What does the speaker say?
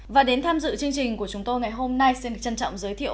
và đến tham dự chương trình của chúng tôi ngày hôm nay xin được trân trọng giới thiệu